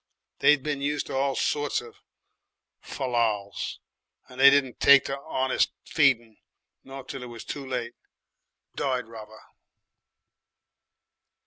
They'd been used to all sorts of fallals, and they didn't take to 'onest feeding, not till it was too late. Died rather.